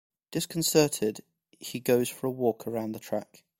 Disconcerted, he goes for a walk around the track.